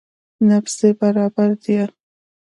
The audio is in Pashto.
نبض دې برابر ديه.